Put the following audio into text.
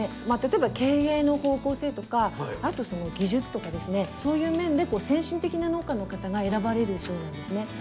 まあ例えば経営の方向性とかあと技術とかですねそういう面で先進的な農家の方が選ばれる賞なんですね。